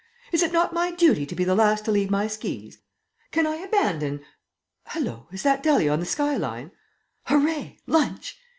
Is it not my duty to be the last to leave my skis? Can I abandon Hallo! is that Dahlia on the sky line? Hooray, lunch!